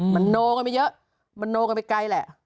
มันโนกันไปเยอะมันโนกันไปไกลแหละ